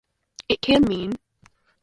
It can mean...